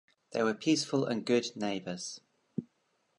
They were peaceful and good neighbors.